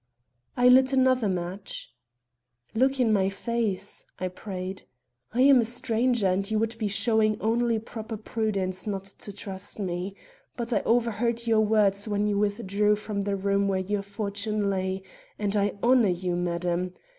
I lit another match. "Look in my face!" I prayed. "I am a stranger, and you would be showing only proper prudence not to trust me. But I overheard your words when you withdrew from the room where your fortune lay; and I honor you, madam.